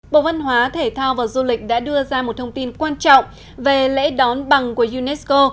bộ văn hóa thể thao và du lịch đã đưa ra một thông tin quan trọng về lễ đón bằng của unesco